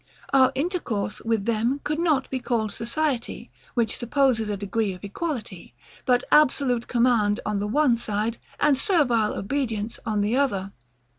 Our intercourse with them could not be called society, which supposes a degree of equality; but absolute command on the one side, and servile obedience on the other.